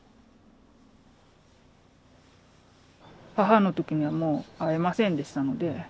母の時にはもう会えませんでしたので。